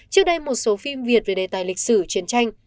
trước đây một số phim việt về đề tài lịch sử chiến tranh